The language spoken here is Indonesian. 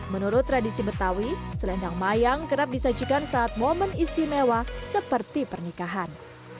menurut tradisi betawi selendang mayang kerap disajikan saat momen istimewa seperti pernikahan